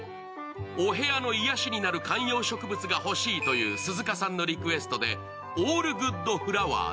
お部屋の癒やしになる観葉植物が欲しいという鈴鹿さんのリクエストでＡＬＬＧＯＯＤＦＬＯＷＥＲＳへ。